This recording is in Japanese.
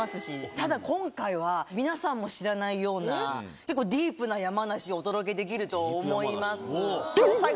ただ今回は皆さんも知らないような結構。をお届けできると思います。